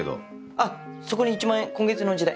あっそこに１万円今月の地代。